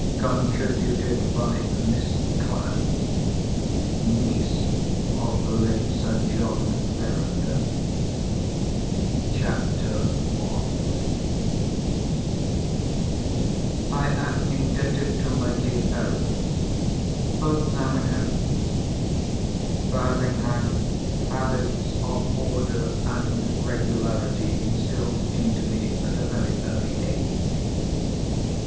Contributed by Miss Clack; niece of the late Sir John Verinder CHAPTER I I am indebted to my dear parents (both now in heaven) for having had habits of order and regularity instilled into me at a very early age.